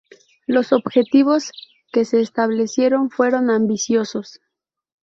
Los objetivos que se establecieron fueron ambiciosos.